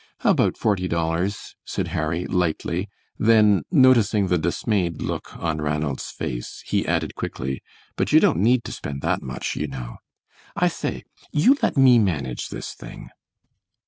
"About forty dollars," said Harry, lightly; then, noticing the dismayed look on Ranald's face, he added quickly, "but you don't need to spend that much, you know. I say, you let me manage this thing."